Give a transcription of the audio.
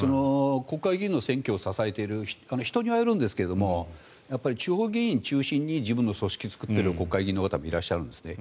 国会議員の選挙を支えている人にはよるんですが地方議員中心に自分の組織を作っている国会議員の方もいらっしゃるんですね。